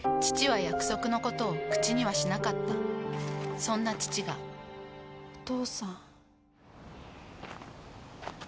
父は約束のことを口にはしなかったそんな父がお父さん。